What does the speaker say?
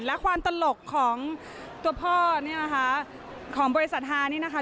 และความตลกของตัวพ่อเนี่ยนะคะของบริษัทฮานี่นะคะ